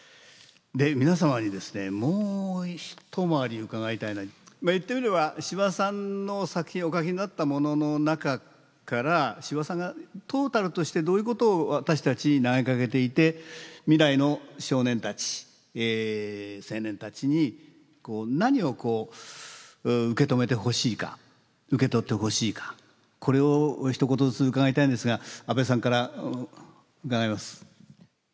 で皆様にですねもう一回り伺いたいのは言ってみれば司馬さんの作品お書きになったものの中から司馬さんがトータルとしてどういうことを私たちに投げかけていて未来の少年たち青年たちに何をこう受け止めてほしいか受け取ってほしいかこれをひと言ずつ伺いたいんですが安部さんから伺います。